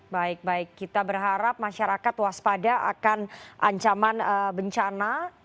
baik baik kita berharap masyarakat waspada akan ancaman bencana